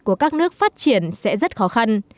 của các nước phát triển sẽ rất khó khăn